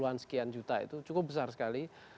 satu ratus dua puluh an sekian juta itu cukup besar sekali